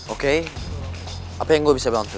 oke apa yang gue bisa bantu